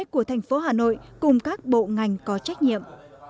của thành phố hà nội cùng các bộ ngành có trách nhiệm